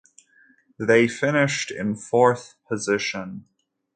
They finished in fourth position.